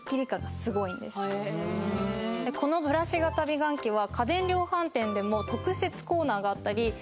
このブラシ型美顔器は。